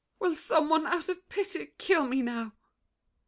Will some one, out of pity, kill me now?